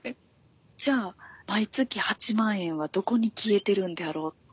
じゃあ毎月８万円はどこに消えてるんであろうって。